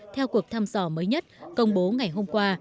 theo cuộc thăm dò mới nhất công bố ngày hôm qua